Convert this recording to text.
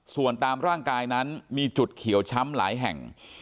ส่วนตามร่างกายนั้นมีจุดเขียวช้ำหลายแห่ง